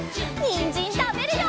にんじんたべるよ！